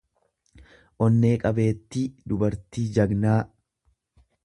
onne qabeetti dubartii jagnaa.